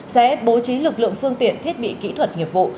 sẽ bố trí lực lượng phương tiện thiết bị kỹ thuật nghiệp vụ